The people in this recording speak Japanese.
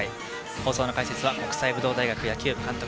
放送の解説は国際武道大学野球部監督